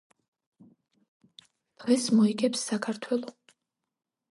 დღეს მოიგებს საქართველო